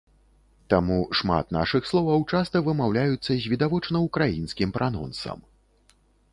Таму шмат нашых словаў часта вымаўляюцца з відавочна ўкраінскім пранонсам.